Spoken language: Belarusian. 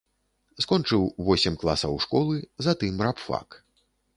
Скончыў восем класаў школы, затым рабфак.